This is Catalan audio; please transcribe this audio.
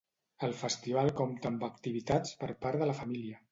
El festival compta amb activitats per part de la família.